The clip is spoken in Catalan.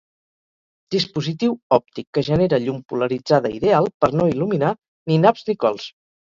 Dispositiu òptic que genera llum polaritzada ideal per no il·luminar ni naps ni cols.